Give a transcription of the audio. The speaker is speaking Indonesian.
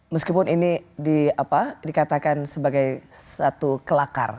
meskipun ini dikatakan sebagai satu kelakar